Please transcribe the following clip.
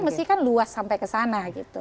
mesti kan luas sampai ke sana gitu